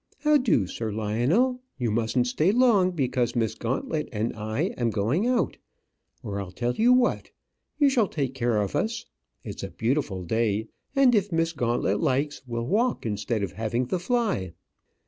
How do, Sir Lionel? You mustn't stay long, because Miss Gauntlet and I am going out. Or I'll tell you what. You shall take care of us. It's a beautiful day; and if Miss Gauntlet likes, we'll walk instead of having the fly."